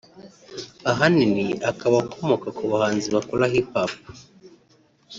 ahanini akaba akomoka ku bahanzi bakora Hip Hop